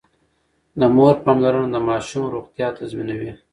د مور پاملرنه د ماشوم روغتيا تضمينوي.